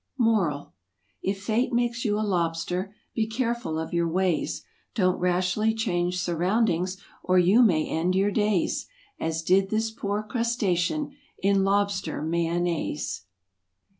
MORAL. If fate makes you a lobster, Be careful of your ways; Don't rashly change surroundings, Or you may end your days As did this poor crustacean In lobster mayonnaise.